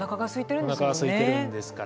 おなかがすいてるんですから。